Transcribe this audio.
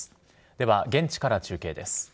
では、現地から中継です。